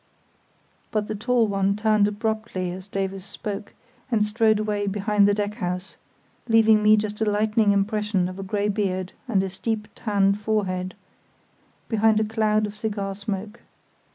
But the tall one turned abruptly as Davies spoke and strode away behind the deck house, leaving me just a lightning impression of a grey beard and a steep tanned forehead, behind a cloud of cigar smoke.